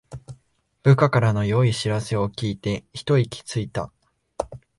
部下からの良い知らせを聞いてひと息ついた